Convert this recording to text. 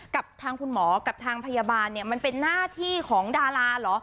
กับทางคุณหมอกับทางพยาบาลเนี่ยมันเป็นหน้าที่ของดาราเหรอ